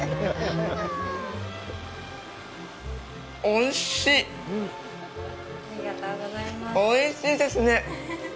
おいしいですね！